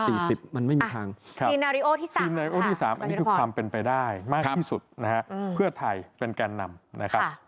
ซีนาริโอที่๓ค่ะบางทีแล้วพอซีนาริโอที่๓อันนี้คือความเป็นไปได้มากที่สุดนะครับเพื่อไทยเป็นแก่นำนะครับ